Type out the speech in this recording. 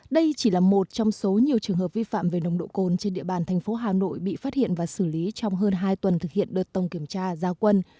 đây chỉ là một trong số nhiều trường hợp vi phạm về nồng độ cồn trên địa bàn thành phố hà nội bị phát hiện và xử lý trong hơn hai tuần thực hiện đợt tổng kiểm tra giao quân